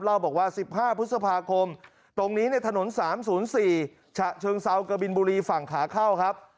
เล่าบอกว่า๑๕พฤษภาคมตรงนี้ถนน๓๐๔ฉะเชิงเซากบินบุรีฝั่งขาเข้าครับ